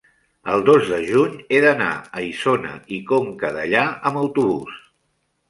el dos de juny he d'anar a Isona i Conca Dellà amb autobús.